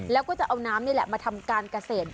แล้วก็จะเอาน้ำนี่แหละมาทำการเกษตร